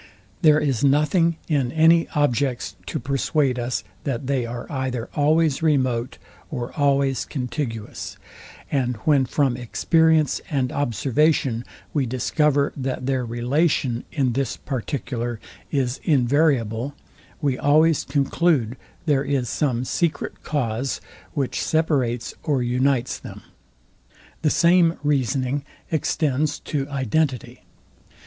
There is nothing in any objects to perswade us, that they are either always remote or always contiguous; and when from experience and observation we discover, that their relation in this particular is invariable, we, always conclude there is some secret cause, which separates or unites them. The same reasoning extends to identity.